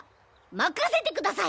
任せてください！